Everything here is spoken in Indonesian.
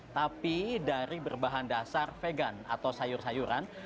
tapi dari berbahan dasar vegan atau sayur sayuran